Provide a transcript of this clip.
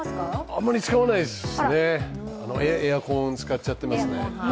あまり使わないですね、エアコン使っちゃっていますね。